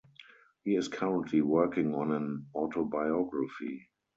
He is currently working on an autobiography.